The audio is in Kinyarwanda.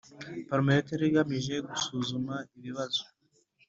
Parmehutu yari igamije gusuzuma ibibazo